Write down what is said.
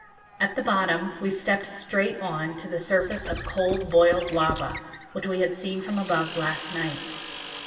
At the bottom we stepped straight on to the surface of cold boiled lava, which we had seen from above last night.